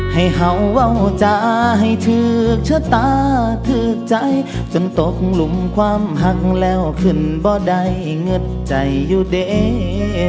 เห่าเว้าวจ้าให้ถือชะตาคือใจจนตกหลุมความหักแล้วขึ้นบ่ได้เงิดใจอยู่เด